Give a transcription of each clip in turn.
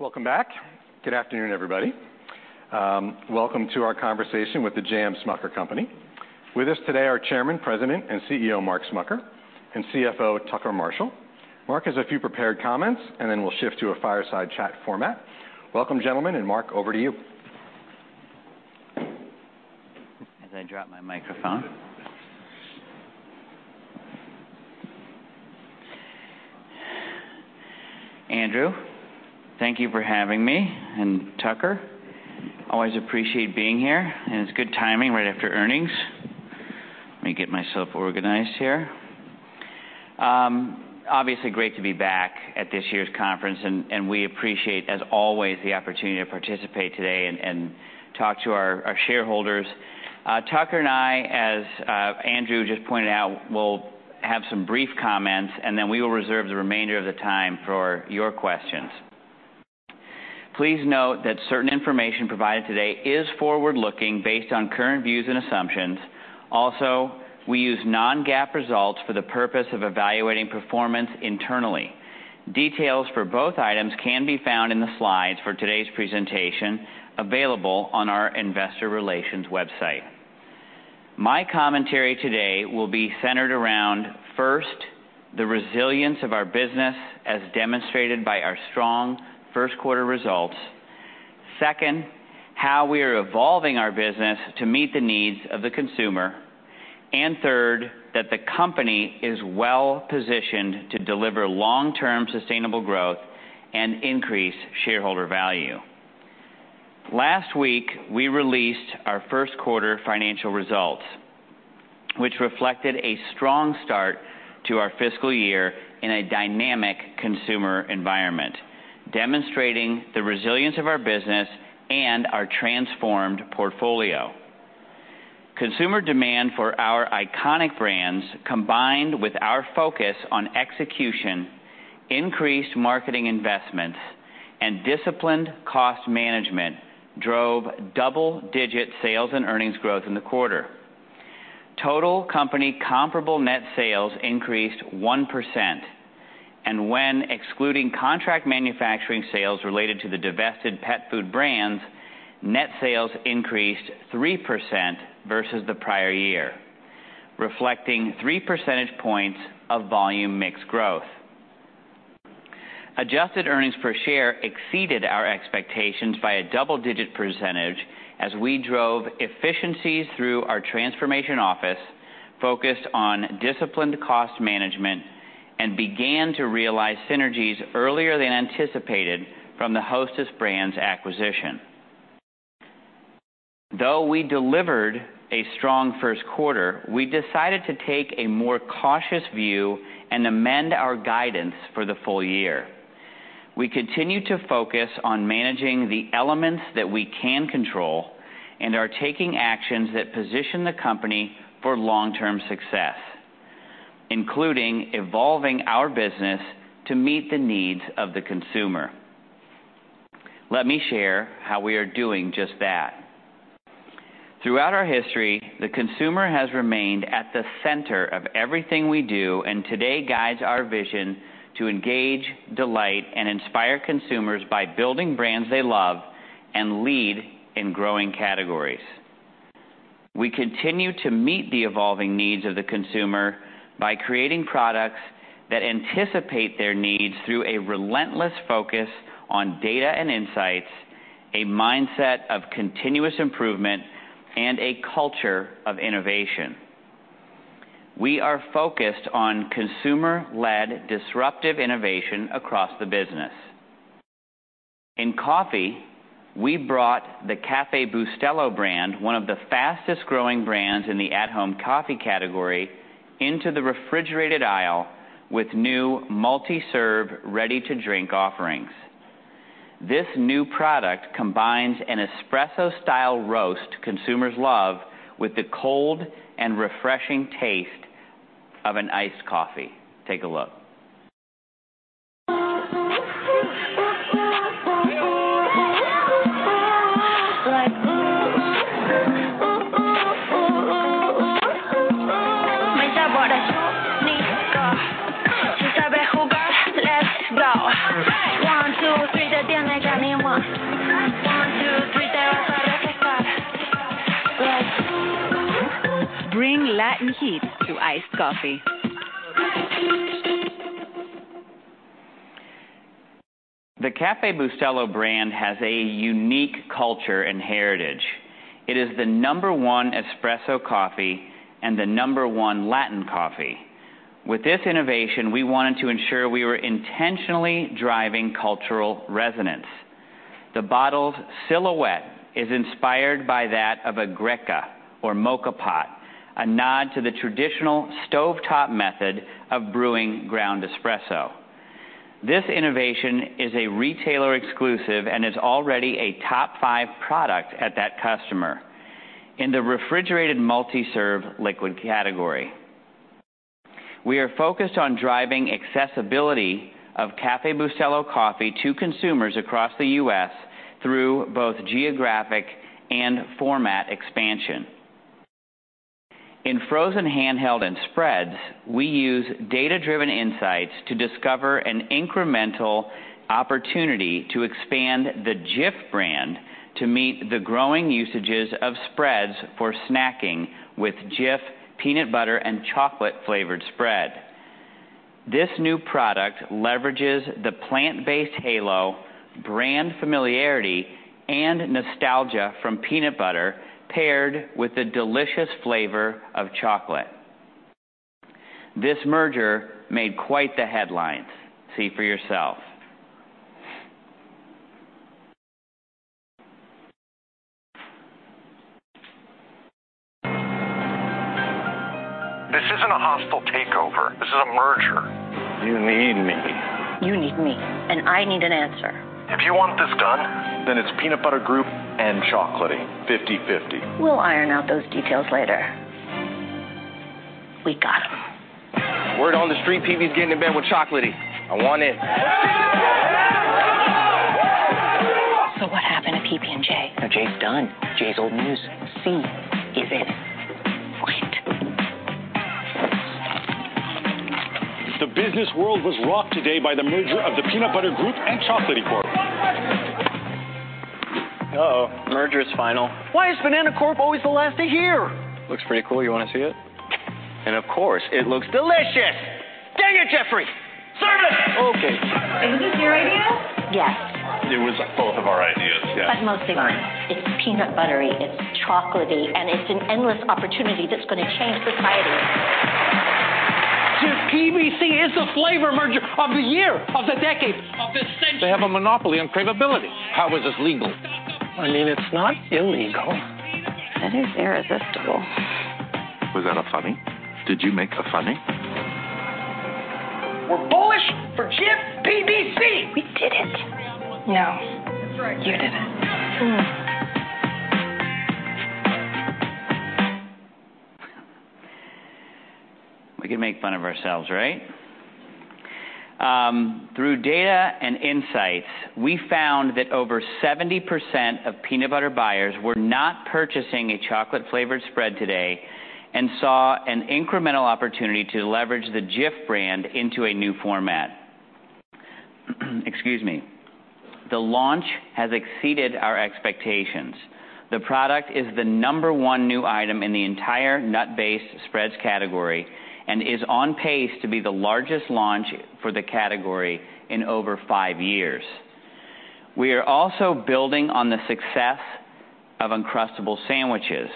Welcome back. Good afternoon, everybody. Welcome to our conversation with the J.M. Smucker Company. With us today are Chairman, President, and CEO, Mark Smucker, and CFO, Tucker Marshall. Mark has a few prepared comments, and then we'll shift to a fireside chat format. Welcome, gentlemen, and Mark, over to you. As I drop my microphone. Andrew, thank you for having me, and Tucker. Always appreciate being here, and it's good timing, right after earnings. Let me get myself organized here. Obviously, great to be back at this year's conference, and we appreciate, as always, the opportunity to participate today and talk to our shareholders. Tucker and I, as Andrew just pointed out, will have some brief comments, and then we will reserve the remainder of the time for your questions. Please note that certain information provided today is forward-looking, based on current views and assumptions. Also, we use Non-GAAP results for the purpose of evaluating performance internally. Details for both items can be found in the slides for today's presentation, available on our investor relations website. My commentary today will be centered around, first, the resilience of our business, as demonstrated by our strong first quarter results. Second, how we are evolving our business to meet the needs of the consumer. And third, that the company is well-positioned to deliver long-term sustainable growth and increase shareholder value. Last week, we released our first quarter financial results, which reflected a strong start to our fiscal year in a dynamic consumer environment, demonstrating the resilience of our business and our transformed portfolio. Consumer demand for our iconic brands, combined with our focus on execution, increased marketing investments, and disciplined cost management, drove double-digit sales and earnings growth in the quarter. Total company comparable net sales increased 1%, and when excluding contract manufacturing sales related to the divested pet food brands, net sales increased 3% versus the prior year, reflecting three percentage points of volume mix growth. Adjusted Earnings Per Share exceeded our expectations by a double-digit percentage as we drove efficiencies through ourTransformation Office, focused on disciplined cost management, and began to realize synergies earlier than anticipated from the Hostess Brands acquisition. Though we delivered a strong first quarter, we decided to take a more cautious view and amend our guidance for the full year. We continue to focus on managing the elements that we can control and are taking actions that position the company for long-term success, including evolving our business to meet the needs of the consumer. Let me share how we are doing just that. Throughout our history, the consumer has remained at the center of everything we do, and today guides our vision to engage, delight, and inspire consumers by building brands they love and lead in growing categories. We continue to meet the evolving needs of the consumer by creating products that anticipate their needs through a relentless focus on data and insights, a mindset of continuous improvement, and a culture of innovation. We are focused on consumer-led, disruptive innovation across the business. In coffee, we brought the Café Bustelo brand, one of the fastest-growing brands in the at-home coffee category, into the refrigerated aisle with new multi-serve, ready-to-drink offerings. This new product combines an espresso-style roast consumers love with the cold and refreshing taste of an iced coffee. Take a look. Bring Latin heat to iced coffee. The Café Bustelo brand has a unique culture and heritage. It is the number one espresso coffee and the number one Latin coffee. With this innovation, we wanted to ensure we were intentionally driving cultural resonance. The bottle's silhouette is inspired by that of a greca or moka pot, a nod to the traditional stovetop method of brewing ground espresso. This innovation is a retailer exclusive and is already a top five product at that customer in the refrigerated multi-serve liquid category. We are focused on driving accessibility of Café Bustelo coffee to consumers across the U.S. through both geographic and format expansion. In frozen handheld and spreads, we use data-driven insights to discover an incremental opportunity to expand the Jif brand to meet the growing usages of spreads for snacking with Jif peanut butter and chocolate-flavored spread. This new product leverages the plant-based halo, brand familiarity, and nostalgia from peanut butter, paired with the delicious flavor of chocolate. This merger made quite the headlines. See for yourself. This isn't a hostile takeover. This is a merger. You need me. You need me, and I need an answer. If you want this done, then it's Peanut Butter Group and Chocolaty, fifty-fifty. We'll iron out those details later. We got them. Word on the street, PB's getting in bed with Chocolaty. I want in. So what happened to PB and J? No, J's done. J's old news. C is in. Great! The business world was rocked today by the merger of the Peanut Butter Group and Chocolaty Corp. Uh-oh, the merger is final. Why is Banana Corp always the last to hear? Looks pretty cool. You want to see it? And, of course, it looks delicious! Dang it, Jeffrey, serve it! Okay. Was this your idea? Yes. It was both of our ideas, yes. But mostly mine. It's peanut buttery, it's chocolaty, and it's an endless opportunity that's going to change society. Jif PBC is the flavor merger of the year, of the decade, of the century. They have a monopoly on craveability. How is this legal? I mean, it's not illegal. It is irresistible. Was that a funny? Did you make a funny? We're bullish for Jif PBC! We did it. No, you did it. Hmm. We can make fun of ourselves, right? Through data and insights, we found that over 70% of peanut butter buyers were not purchasing a chocolate-flavored spread today and saw an incremental opportunity to leverage the Jif brand into a new format. Excuse me. The launch has exceeded our expectations. The product is the number one new item in the entire nut-based spreads category and is on pace to be the largest launch for the category in over five years. We are also building on the success of Uncrustables sandwiches,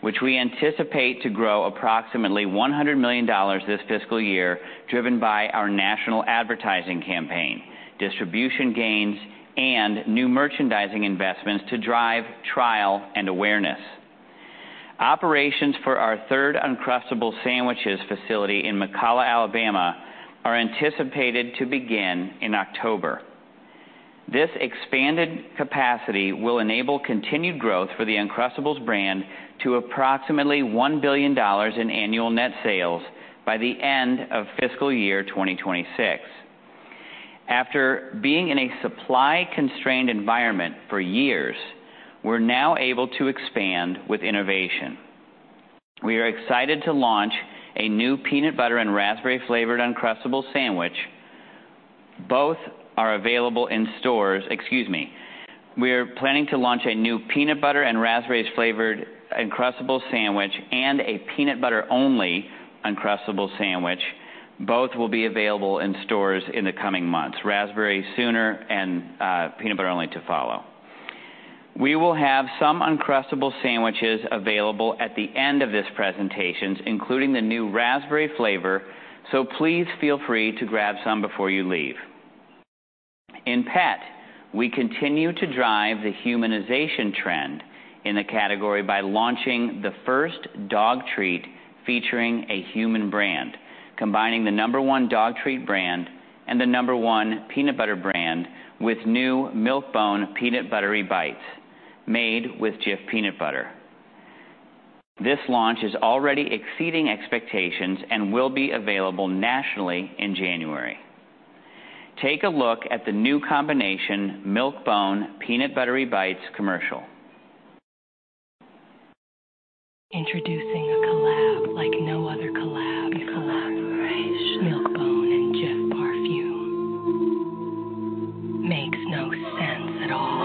which we anticipate to grow approximately $100 million this fiscal year, driven by our national advertising campaign, distribution gains, and new merchandising investments to drive trial and awareness. Operations for our third Uncrustables sandwiches facility in McCalla, Alabama, are anticipated to begin in October. This expanded capacity will enable continued growth for the Uncrustables brand to approximately $1 billion in annual net sales by the end of fiscal year 2026. After being in a supply-constrained environment for years, we're now able to expand with innovation. We are excited to launch a new peanut butter and raspberry-flavored Uncrustables sandwich. Both are available in stores. Excuse me. We are planning to launch a new peanut butter and raspberry-flavored Uncrustables sandwich and a peanut butter-only Uncrustables sandwich. Both will be available in stores in the coming months, raspberry sooner and peanut butter only to follow. We will have some Uncrustables sandwiches available at the end of this presentation, including the new raspberry flavor, so please feel free to grab some before you leave. In Pet, we continue to drive the humanization trend in the category by launching the first dog treat featuring a human brand, combining the number one dog treat brand and the number one peanut butter brand with new Milk-Bone Peanut Buttery Bites made with Jif peanut butter. This launch is already exceeding expectations and will be available nationally in January. Take a look at the new combination Milk-Bone Peanut Buttery Bites commercial. Introducing a collab like no other collab. A collaboration. Milk-Bone and Jif perfume. Makes no sense at all.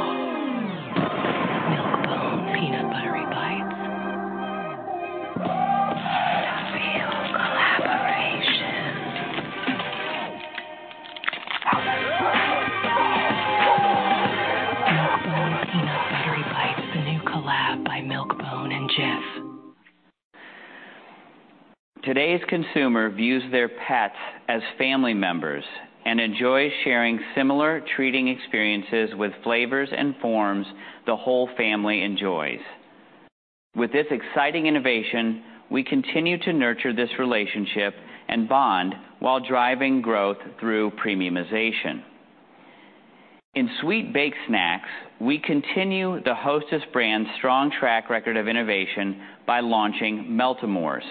Milk-Bone Peanut Buttery Bites. Real collaboration. Milk-Bone Peanut Buttery Bites, the new collab by Milk-Bone and Jif. Today's consumer views their pets as family members and enjoys sharing similar treating experiences with flavors and forms the whole family enjoys. With this exciting innovation, we continue to nurture this relationship and bond while driving growth through premiumization. In Sweet Baked Snacks, we continue the Hostess brand's strong track record of innovation by launching Meltamors.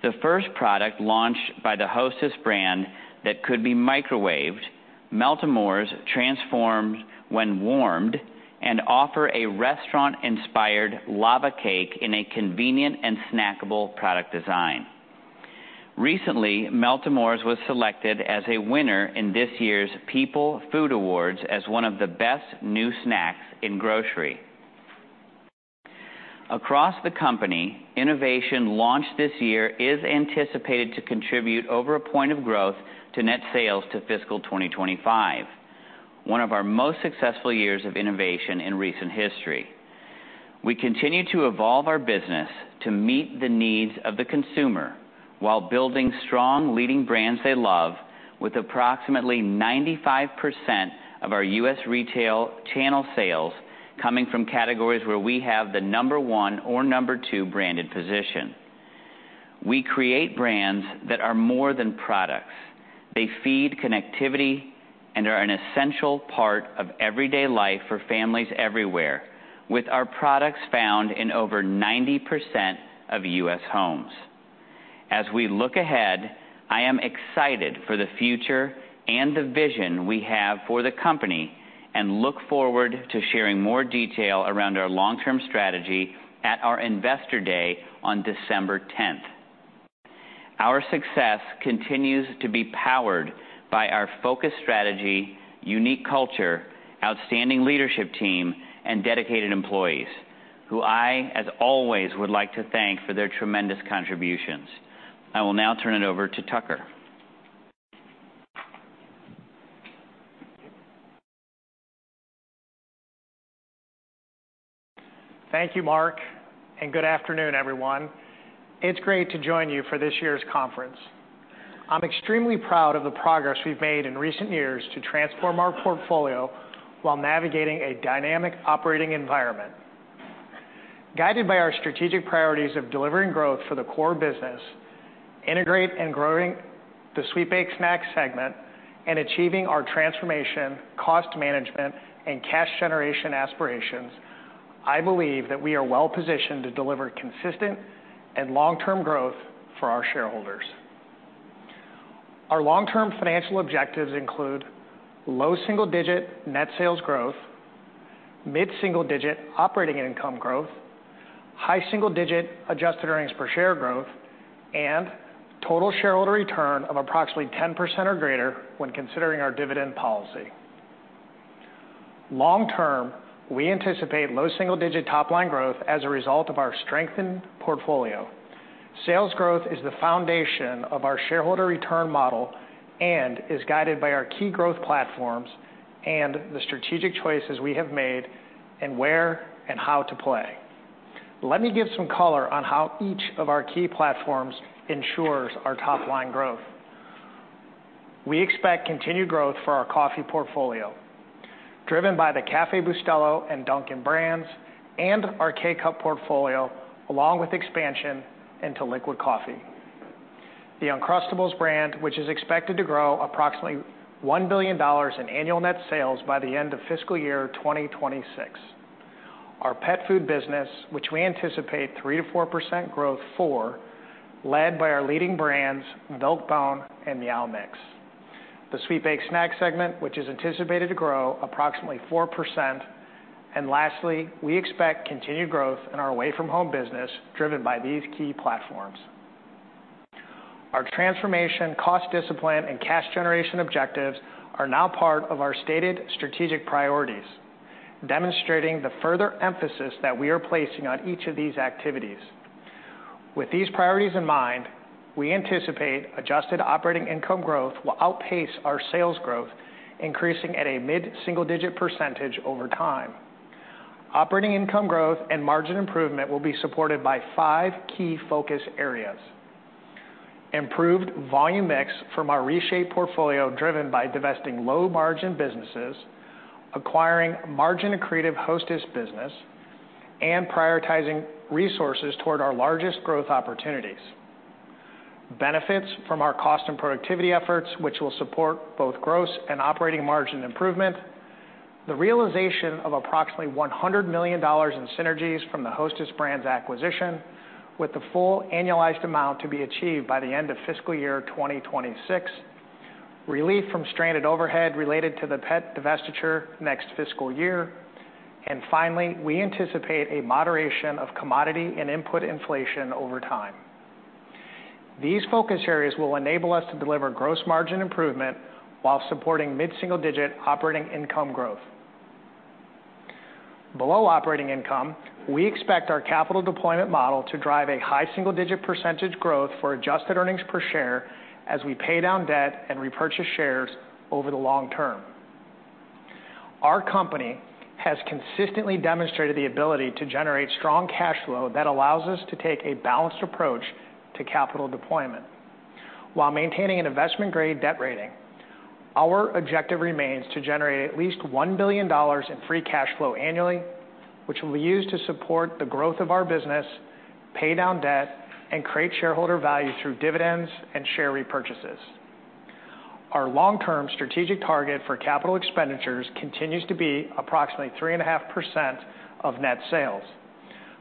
The first product launched by the Hostess brand that could be microwaved, Meltamors transforms when warmed and offer a restaurant-inspired lava cake in a convenient and snackable product design. Recently, Meltamors was selected as a winner in this year's People Food Awards as one of the best new snacks in grocery. Across the company, innovation launched this year is anticipated to contribute over a point of growth to net sales to fiscal 2025, one of our most successful years of innovation in recent history. We continue to evolve our business to meet the needs of the consumer, while building strong, leading brands they love, with approximately 95% of our U.S. retail channel sales coming from categories where we have the number one or number two branded position. We create brands that are more than products. They feed connectivity and are an essential part of everyday life for families everywhere, with our products found in over 90% of U.S. homes. As we look ahead, I am excited for the future and the vision we have for the company, and look forward to sharing more detail around our long-term strategy at our Investor Day on December tenth. Our success continues to be powered by our focus strategy, unique culture, outstanding leadership team, and dedicated employees, who I, as always, would like to thank for their tremendous contributions. I will now turn it over to Tucker. Thank you, Mark, and good afternoon, everyone. It's great to join you for this year's conference. I'm extremely proud of the progress we've made in recent years to transform our portfolio while navigating a dynamic operating environment. Guided by our strategic priorities of delivering growth for the core business, integrate and growing the Sweet Baked Snack segment, and achieving our transformation, cost management, and cash generation aspirations, I believe that we are well-positioned to deliver consistent and long-term growth for our shareholders. Our long-term financial objectives include low single-digit net sales growth, mid-single-digit operating income growth, high single-digit adjusted earnings per share growth, and total shareholder return of approximately 10% or greater when considering our dividend policy. Long term, we anticipate low single-digit top-line growth as a result of our strengthened portfolio. Sales growth is the foundation of our shareholder return model and is guided by our key growth platforms and the strategic choices we have made in where and how to play. Let me give some color on how each of our key platforms ensures our top-line growth. We expect continued growth for our coffee portfolio, driven by the Café Bustelo and Dunkin' brands, and our K-Cup portfolio, along with expansion into liquid coffee. The Uncrustables brand, which is expected to grow approximately $1 billion in annual net sales by the end of fiscal year 2026. Our pet food business, which we anticipate 3%-4% growth for, led by our leading brands, Milk-Bone and Meow Mix. The Sweet Baked Snack segment, which is anticipated to grow approximately 4%. And lastly, we expect continued growth in our away-from-home business, driven by these key platforms. Our transformation, cost discipline, and cash generation objectives are now part of our stated strategic priorities, demonstrating the further emphasis that we are placing on each of these activities. With these priorities in mind, we anticipate adjusted operating income growth will outpace our sales growth, increasing at a mid-single-digit % over time. Operating income growth and margin improvement will be supported by five key focus areas: improved volume mix from our reshaped portfolio, driven by divesting low-margin businesses, acquiring margin-accretive Hostess business, and prioritizing resources toward our largest growth opportunities. Benefits from our cost and productivity efforts, which will support both gross and operating margin improvement. The realization of approximately $100 million in synergies from the Hostess Brands acquisition, with the full annualized amount to be achieved by the end of fiscal year 2026. Relief from stranded overhead related to the pet divestiture next fiscal year. And finally, we anticipate a moderation of commodity and input inflation over time. These focus areas will enable us to deliver gross margin improvement while supporting mid-single-digit operating income growth. Below operating income, we expect our capital deployment model to drive a high single-digit % growth for adjusted earnings per share as we pay down debt and repurchase shares over the long term. Our company has consistently demonstrated the ability to generate strong cash flow that allows us to take a balanced approach to capital deployment while maintaining an investment-grade debt rating. Our objective remains to generate at least $1 billion in free cash flow annually, which will be used to support the growth of our business, pay down debt, and create shareholder value through dividends and share repurchases.... Our long-term strategic target for capital expenditures continues to be approximately 3.5% of net sales.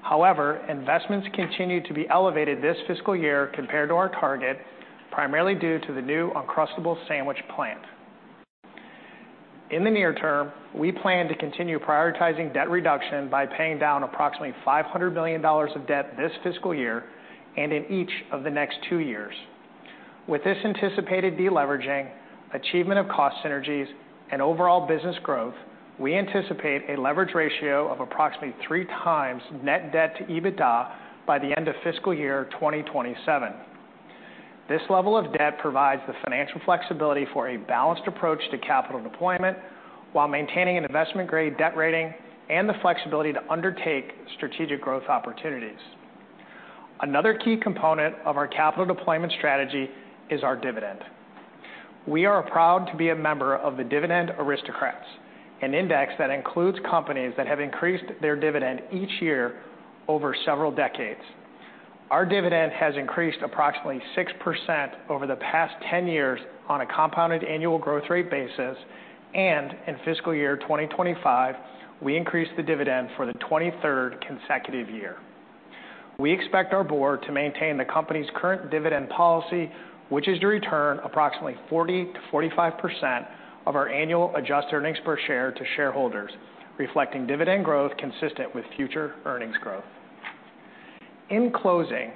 However, investments continue to be elevated this fiscal year compared to our target, primarily due to the new Uncrustables sandwich plant. In the near term, we plan to continue prioritizing debt reduction by paying down approximately $500 million of debt this fiscal year and in each of the next two years. With this anticipated deleveraging, achievement of cost synergies, and overall business growth, we anticipate a leverage ratio of approximately three times net debt to EBITDA by the end of fiscal year 2027. This level of debt provides the financial flexibility for a balanced approach to capital deployment, while maintaining an investment-grade debt rating and the flexibility to undertake strategic growth opportunities. Another key component of our capital deployment strategy is our dividend. We are proud to be a member of the Dividend Aristocrats, an index that includes companies that have increased their dividend each year over several decades. Our dividend has increased approximately 6% over the past 10 years on a Compound Annual Growth Rate basis, and in fiscal year 2025, we increased the dividend for the 23rd consecutive year. We expect our board to maintain the company's current dividend policy, which is to return approximately 40%-45% of our annual adjusted earnings per share to shareholders, reflecting dividend growth consistent with future earnings growth. In closing,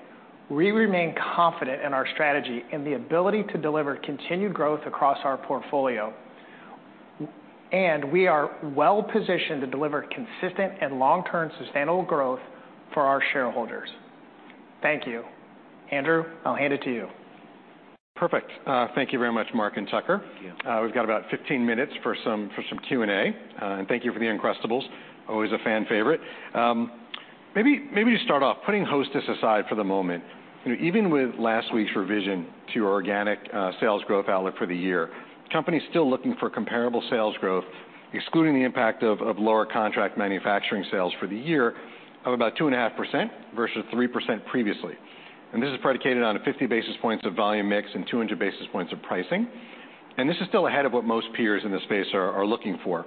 we remain confident in our strategy and the ability to deliver continued growth across our portfolio, and we are well positioned to deliver consistent and long-term sustainable growth for our shareholders. Thank you. Andrew, I'll hand it to you. Perfect. Thank you very much, Mark and Tucker. Thank you. We've got about 15 minutes for some Q&A, and thank you for the Uncrustables, always a fan favorite. Maybe to start off, putting Hostess aside for the moment, you know, even with last week's revision to your organic sales growth outlook for the year, company's still looking for comparable sales growth, excluding the impact of lower contract manufacturing sales for the year, of about 2.5% versus 3% previously, and this is predicated on 50 basis points of volume mix and 200 basis points of pricing, and this is still ahead of what most peers in this space are looking for.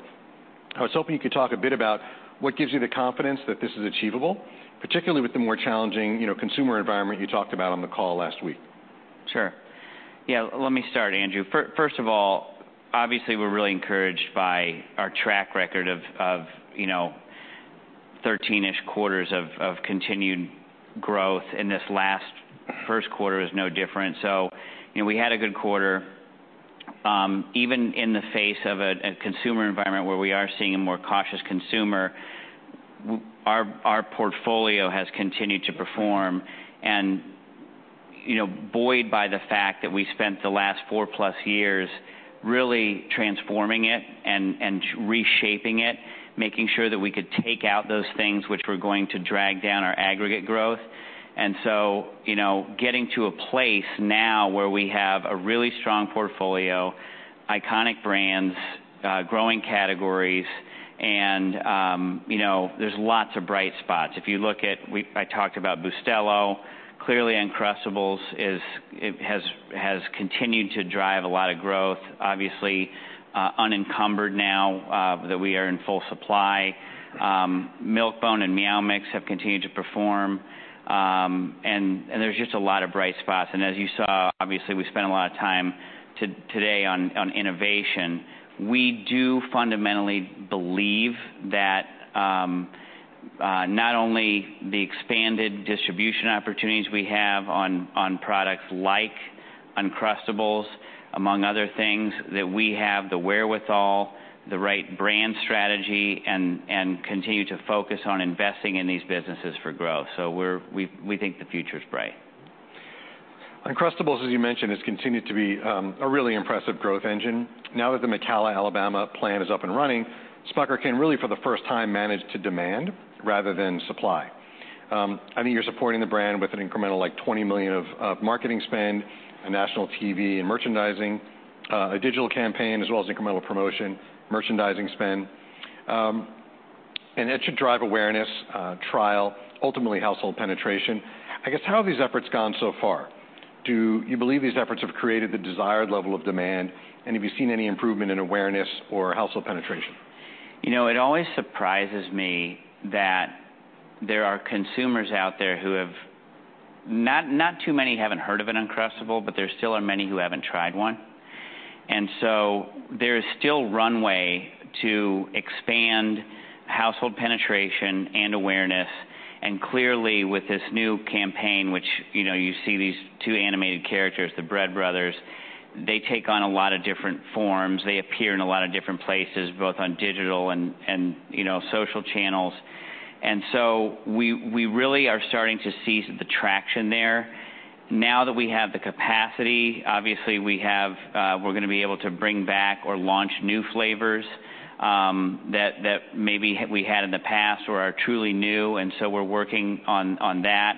I was hoping you could talk a bit about what gives you the confidence that this is achievable, particularly with the more challenging, you know, consumer environment you talked about on the call last week? Sure. Yeah, let me start, Andrew. First of all, obviously, we're really encouraged by our track record of, you know, thirteen-ish quarters of continued growth, and this last first quarter is no different. So, you know, we had a good quarter, even in the face of a consumer environment where we are seeing a more cautious consumer, our portfolio has continued to perform. And, you know, buoyed by the fact that we spent the last four-plus years really transforming it and reshaping it, making sure that we could take out those things which were going to drag down our aggregate growth. And so, you know, getting to a place now where we have a really strong portfolio, iconic brands, growing categories, and, you know, there's lots of bright spots. If you look at... I talked about Bustelo. Clearly, Uncrustables is, it has continued to drive a lot of growth, obviously, unencumbered now that we are in full supply. Milk-Bone and Meow Mix have continued to perform, and there's just a lot of bright spots. As you saw, obviously, we spent a lot of time today on innovation. We do fundamentally believe that not only the expanded distribution opportunities we have on products like Uncrustables, among other things, that we have the wherewithal, the right brand strategy, and continue to focus on investing in these businesses for growth. We think the future is bright. Uncrustables, as you mentioned, has continued to be a really impressive growth engine. Now that the McCalla, Alabama plant is up and running, Smucker can really, for the first time, manage to demand rather than supply. I know you're supporting the brand with an incremental, like, $20 million of marketing spend, a national TV and merchandising, a digital campaign, as well as incremental promotion, merchandising spend. And that should drive awareness, trial, ultimately household penetration. I guess, how have these efforts gone so far? Do you believe these efforts have created the desired level of demand, and have you seen any improvement in awareness or household penetration? You know, it always surprises me that there are consumers out there who have... Not, not too many haven't heard of an Uncrustables, but there still are many who haven't tried one. And so there is still runway to expand household penetration and awareness, and clearly, with this new campaign, which, you know, you see these two animated characters, the Bread Brothers, they take on a lot of different forms. They appear in a lot of different places, both on digital and, you know, social channels. And so we really are starting to see the traction there. Now that we have the capacity, obviously, we have, we're gonna be able to bring back or launch new flavors, that maybe we had in the past or are truly new, and so we're working on that.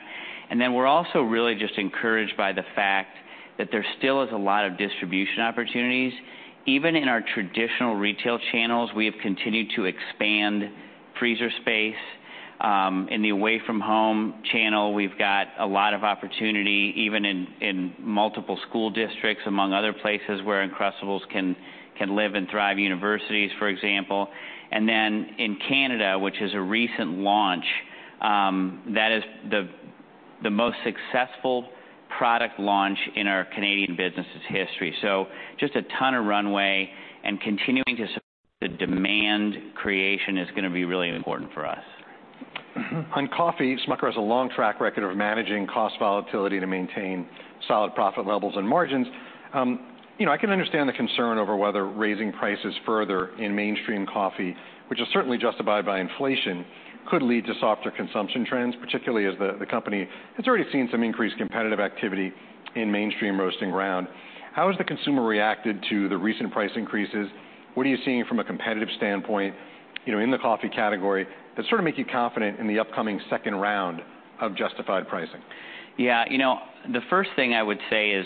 And then we're also really just encouraged by the fact that there still is a lot of distribution opportunities, even in our traditional retail channels. We have continued to expand freezer space. In the away-from-home channel, we've got a lot of opportunity, even in multiple school districts, among other places where Uncrustables can live and thrive, universities, for example. And then in Canada, which is a recent launch, that is the most successful product launch in our Canadian business's history. So just a ton of runway and continuing to support the demand creation is gonna be really important for us. On coffee, Smucker has a long track record of managing cost volatility to maintain solid profit levels and margins. You know, I can understand the concern over whether raising prices further in mainstream coffee, which is certainly justified by inflation, could lead to softer consumption trends, particularly as the company has already seen some increased competitive activity in mainstream roast and ground. How has the consumer reacted to the recent price increases? What are you seeing from a competitive standpoint, you know, in the coffee category, that sort of make you confident in the upcoming second round of justified pricing? Yeah, you know, the first thing I would say is,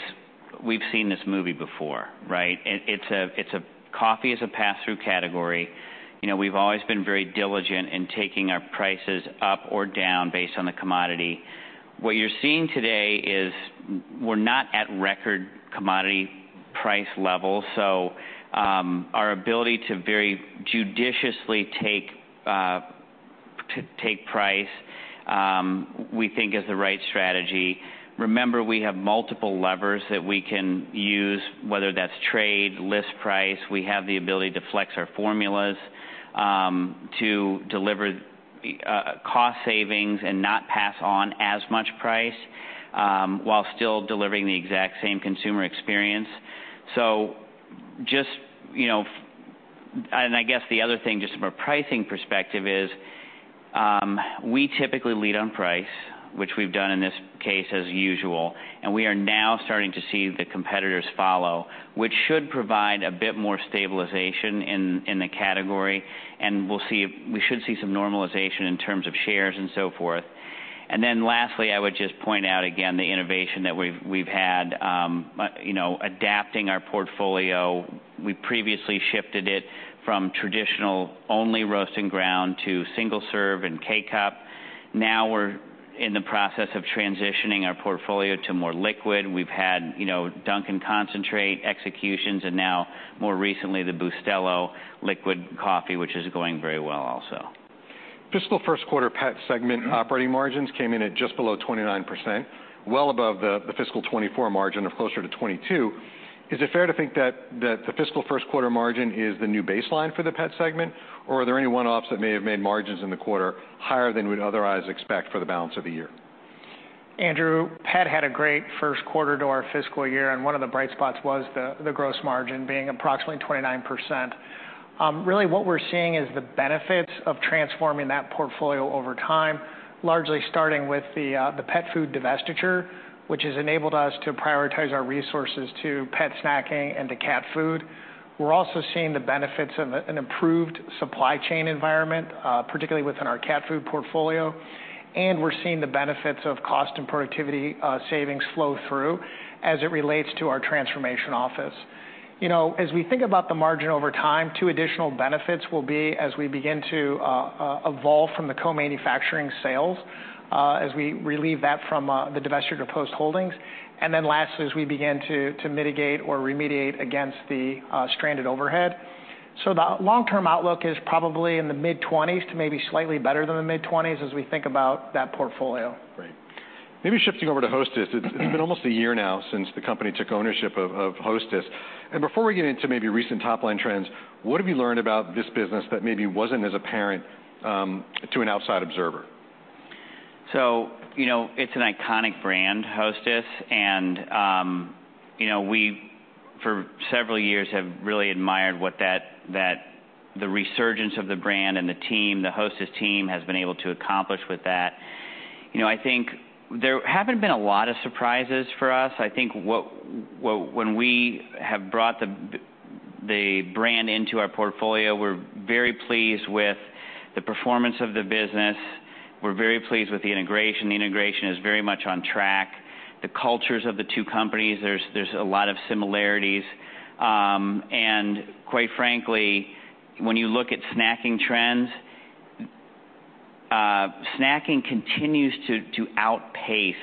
we've seen this movie before, right? It, it's a coffee is a pass-through category. You know, we've always been very diligent in taking our prices up or down based on the commodity. What you're seeing today is we're not at record commodity price levels, so, our ability to very judiciously take price, we think is the right strategy. Remember, we have multiple levers that we can use, whether that's trade, list price. We have the ability to flex our formulas, to deliver cost savings and not pass on as much price, while still delivering the exact same consumer experience. So just, you know, and I guess the other thing, just from a pricing perspective is, we typically lead on price, which we've done in this case, as usual, and we are now starting to see the competitors follow, which should provide a bit more stabilization in the category, and we should see some normalization in terms of shares and so forth. And then lastly, I would just point out again the innovation that we've had, you know, adapting our portfolio. We previously shifted it from traditional only roasting ground to single-serve and K-Cup. Now we're in the process of transitioning our portfolio to more liquid. We've had, you know, Dunkin' Concentrate executions, and now more recently, the Bustelo liquid coffee, which is going very well also. Fiscal first quarter pet segment operating margins came in at just below 29%, well above the fiscal twenty-four margin, or closer to 22%. Is it fair to think that the fiscal first quarter margin is the new baseline for the pet segment, or are there any one-offs that may have made margins in the quarter higher than we'd otherwise expect for the balance of the year? Andrew, Pet had a great first quarter to our fiscal year, and one of the bright spots was the gross margin being approximately 29%. Really, what we're seeing is the benefits of transforming that portfolio over time, largely starting with the pet food divestiture, which has enabled us to prioritize our resources to pet snacking and to cat food. We're also seeing the benefits of an improved supply chain environment, particularly within our cat food portfolio, and we're seeing the benefits of cost and productivity savings flow through as it relates to our Transformation Office. You know, as we think about the margin over time, two additional benefits will be as we begin to evolve from the co-manufacturing sales, as we relieve that from the divestiture to Post Holdings. Lastly, as we begin to mitigate or remediate against the stranded overhead. The long-term outlook is probably in the mid-twenties to maybe slightly better than the mid-twenties as we think about that portfolio. Great. Maybe shifting over to Hostess. It's been almost a year now since the company took ownership of Hostess. And before we get into maybe recent top-line trends, what have you learned about this business that maybe wasn't as apparent to an outside observer? So, you know, it's an iconic brand, Hostess, and, you know, we, for several years, have really admired what that the resurgence of the brand and the team, the Hostess team, has been able to accomplish with that. You know, I think there haven't been a lot of surprises for us. I think what when we have brought the brand into our portfolio, we're very pleased with the performance of the business. We're very pleased with the integration. The integration is very much on track. The cultures of the two companies, there's a lot of similarities. And quite frankly, when you look at snacking trends, snacking continues to outpace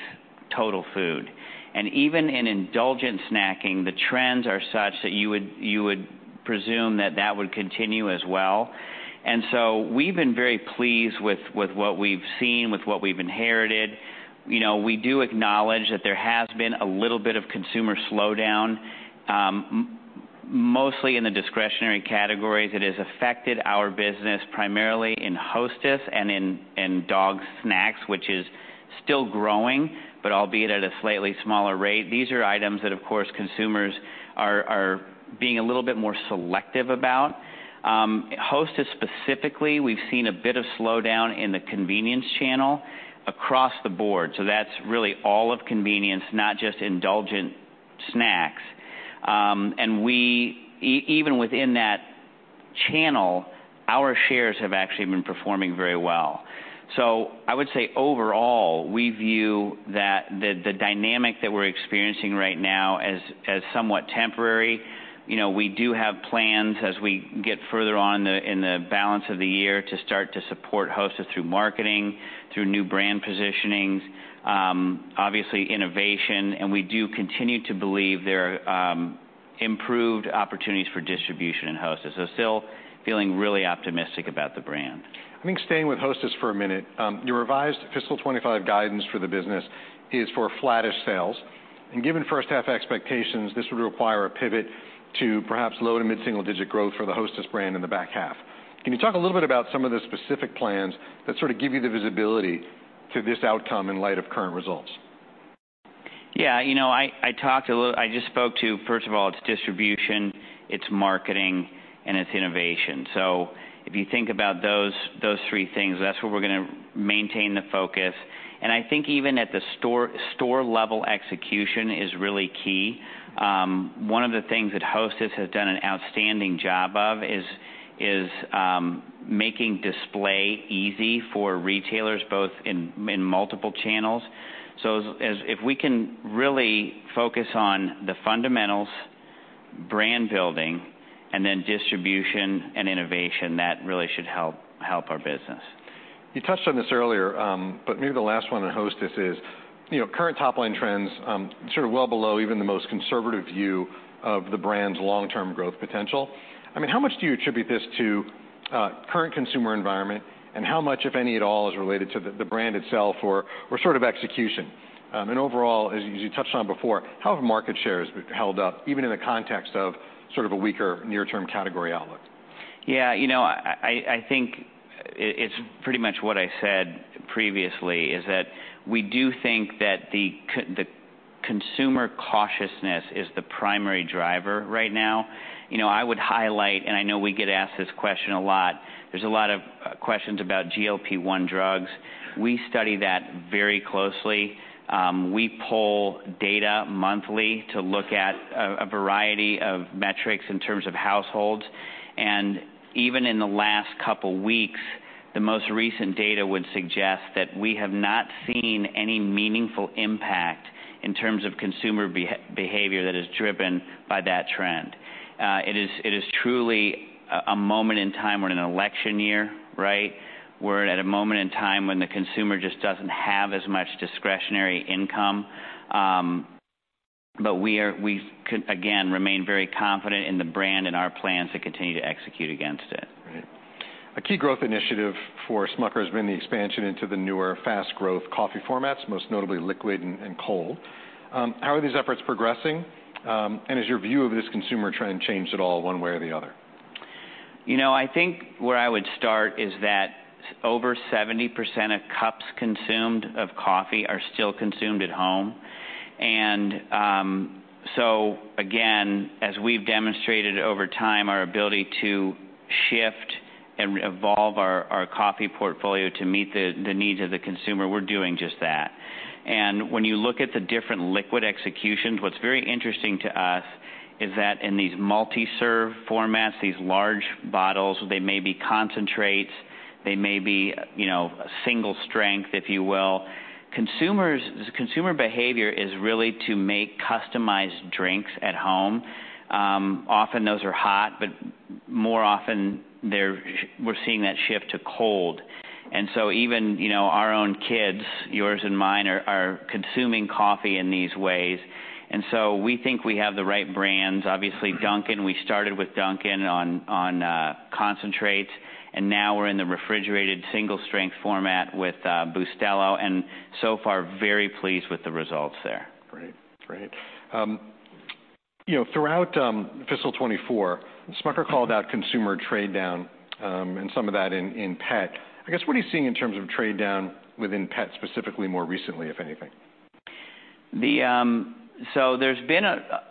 total food. And even in indulgent snacking, the trends are such that you would presume that would continue as well. And so we've been very pleased with what we've seen, with what we've inherited. You know, we do acknowledge that there has been a little bit of consumer slowdown, mostly in the discretionary categories. It has affected our business, primarily in Hostess and in dog snacks, which is still growing, but albeit at a slightly smaller rate. These are items that, of course, consumers are being a little bit more selective about. Hostess, specifically, we've seen a bit of slowdown in the convenience channel across the board, so that's really all of convenience, not just indulgent snacks. And even within that channel, our shares have actually been performing very well. So I would say overall, we view that the dynamic that we're experiencing right now as somewhat temporary. You know, we do have plans as we get further on the, in the balance of the year to start to support Hostess through marketing, through new brand positionings, obviously, innovation, and we do continue to believe there are, improved opportunities for distribution in Hostess. So still feeling really optimistic about the brand. I think staying with Hostess for a minute, your revised fiscal 2025 guidance for the business is for flattish sales, and given first half expectations, this would require a pivot to perhaps low- to mid-single-digit growth for the Hostess brand in the back half. Can you talk a little bit about some of the specific plans that sort of give you the visibility to this outcome in light of current results? Yeah, you know, I talked a little. I just spoke to, first of all, it's distribution, it's marketing, and it's innovation. So if you think about those three things, that's where we're gonna maintain the focus. And I think even at the store level, execution is really key. One of the things that Hostess has done an outstanding job of is making display easy for retailers, both in multiple channels. So if we can really focus on the fundamentals, brand building, and then distribution and innovation, that really should help our business. You touched on this earlier, but maybe the last one on Hostess is, you know, current top-line trends, sort of well below even the most conservative view of the brand's long-term growth potential. I mean, how much do you attribute this to, current consumer environment, and how much, if any at all, is related to the brand itself or sort of execution? And overall, as you touched on before, how have market shares held up, even in the context of sort of a weaker near-term category outlook? Yeah, you know, I think it's pretty much what I said previously, is that we do think that the consumer cautiousness is the primary driver right now. You know, I would highlight, and I know we get asked this question a lot, there's a lot of questions about GLP-1 drugs. We study that very closely. We poll data monthly to look at a variety of metrics in terms of households, and even in the last couple weeks, the most recent data would suggest that we have not seen any meaningful impact in terms of consumer behavior that is driven by that trend. It is truly a moment in time. We're in an election year, right? We're at a moment in time when the consumer just doesn't have as much discretionary income, but we again remain very confident in the brand and our plans to continue to execute against it. Right. A key growth initiative for Smucker has been the expansion into the newer, fast growth coffee formats, most notably liquid and cold. How are these efforts progressing? And has your view of this consumer trend changed at all, one way or the other? You know, I think where I would start is that over 70% of cups consumed of coffee are still consumed at home. And, so again, as we've demonstrated over time, our ability to shift and evolve our coffee portfolio to meet the needs of the consumer, we're doing just that. And when you look at the different liquid executions, what's very interesting to us is that in these multi-serve formats, these large bottles, they may be concentrates, they may be, you know, single strength, if you will. Consumer behavior is really to make customized drinks at home. Often those are hot, but more often, they're we're seeing that shift to cold. And so even, you know, our own kids, yours and mine, are consuming coffee in these ways. And so we think we have the right brands. Obviously, Dunkin', we started with Dunkin' on concentrates, and now we're in the refrigerated single-strength format with Bustelo, and so far, very pleased with the results there. Great. Great. You know, throughout fiscal 2024, Smucker called out consumer trade down, and some of that in pet. I guess, what are you seeing in terms of trade down within pet, specifically, more recently, if anything? So there's been,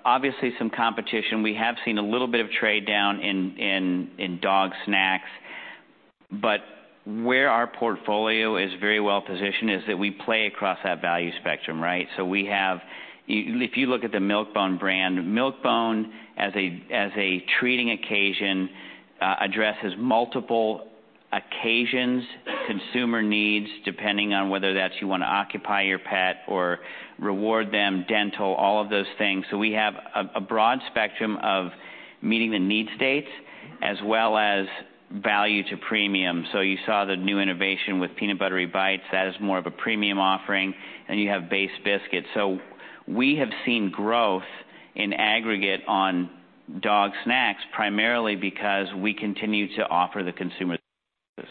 obviously, some competition. We have seen a little bit of trade down in dog snacks, but where our portfolio is very well positioned is that we play across that value spectrum, right? So we have. If you look at the Milk-Bone brand, Milk-Bone, as a treating occasion, addresses multiple occasions, consumer needs, depending on whether that's you wanna occupy your pet or reward them, dental, all of those things. So we have a broad spectrum of meeting the need states as well as value to premium. So you saw the new innovation with Peanut Buttery Bites. That is more of a premium offering, and you have base biscuit. So we have seen growth in aggregate on dog snacks, primarily because we continue to offer the consumer this.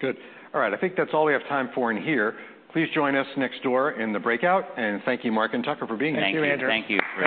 Good. All right, I think that's all we have time for in here. Please join us next door in the breakout, and thank you, Mark and Tucker, for being here. Thank you. Thank you.